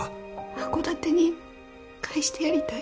函館に帰してやりたいです。